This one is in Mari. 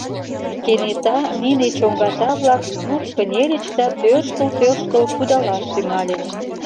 Кенета нине чоҥгата-влак юрт кынельыч да тӧрштыл-тӧрштыл кудалаш тӱҥальыч.